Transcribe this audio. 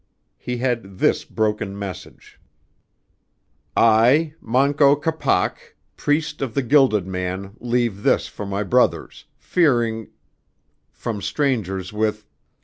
He had this broken message: "I, Manco Capac, priest of the Gilded Man leave this for my brothers, fearing from strangers with